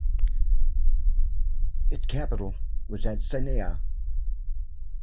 Its capital was at Sana'a.